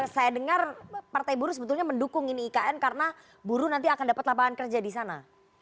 saya dengar partai buruh sebetulnya mendukung ini ikn karena buruh nanti akan dapat lapangan kerja di sana